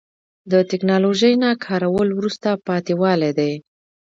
د تکنالوژۍ نه کارول وروسته پاتې والی دی.